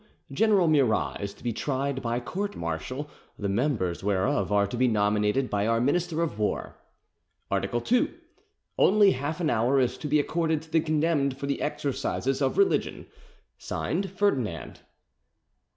General Murat is to be tried by court−martial, the members whereof are to be nominated by our Minister of War. "Art. 2. Only half an hour is to be accorded to the condemned for the exercises of religion. "(Signed) FERDINAND."